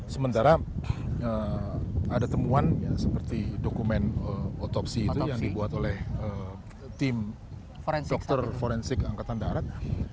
sementara ada temuan seperti dokumen otopsi itu yang dibuat oleh tim dokter forensik angkatan darat